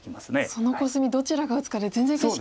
そのコスミどちらが打つかで全然景色が。